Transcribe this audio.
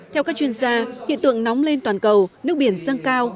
theo các chuyên gia hiện tượng nóng lên toàn cầu nước biển dâng cao